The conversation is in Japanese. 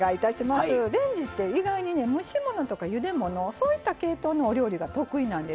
レンジって意外に蒸し物とかゆで物そういった系統のお料理が得意なんですよね。